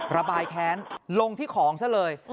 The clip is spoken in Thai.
ระบายแค้นลงที่ของซะเลย